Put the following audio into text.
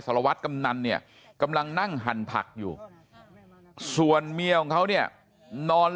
สารวัตรกำนันเนี่ยกำลังนั่งหั่นผักอยู่ส่วนเมียของเขาเนี่ยนอน